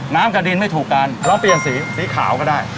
กับดินไม่ถูกกันลองเปลี่ยนสีสีขาวก็ได้